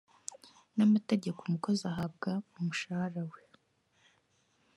n amategeko umukozi ahabwa umushahara we